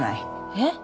えっ？